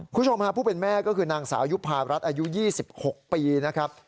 คุณผู้ชมฮะผู้เป็นแม่ก็คือนางสาวยุภารัฐอายุ๒๖ปีนะครับ